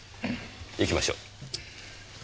行きましょう。